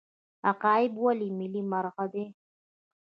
عقاب ولې ملي مرغه دی؟